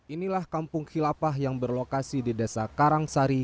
inilah kampung khilafah yang berlokasi di desa karangsari